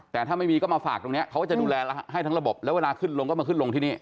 แต่ถ้าไม่มีก็มาฝากตรงนี้เขาก็จะดูแลให้ทั้งระบบแล้วเวลาขึ้นลงก็มาขึ้นลงที่นี่